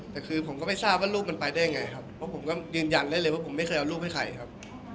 แต่คือผมก็ไม่ทราบว่าลูกมันไปได้ยังไงครับเพราะผมก็ยืนยันได้เลยว่าผมไม่เคยเอารูปให้ใครครับ